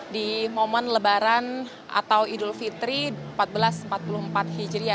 di momen lebaran atau idul fitri seribu empat ratus empat puluh empat hijri